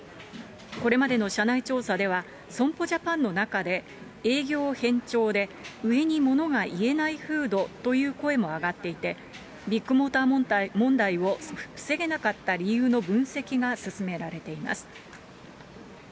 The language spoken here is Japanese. これまでの社内調査では、損保ジャパンの中で営業偏重で、上に物が言えない風土という声も上がっていて、ビッグモーター問題を防げなかった理由の分析が進められています。